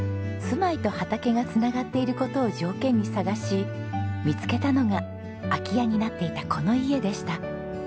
住まいと畑が繋がっている事を条件に探し見つけたのが空き家になっていたこの家でした。